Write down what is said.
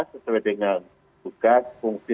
sesuai dengan tugas fungsi